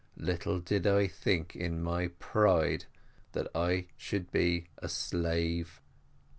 Little did I think, in my pride, that I should be a slave.